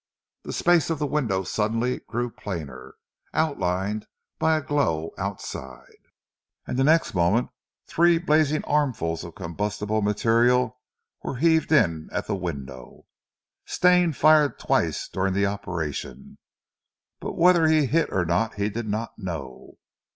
The space of the window suddenly grew plainer, outlined by a glow outside, and the next moment three blazing armfuls of combustible material were heaved in at the window. Stane fired twice during the operation, but whether he hit or not he did not know.